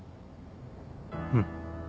うん。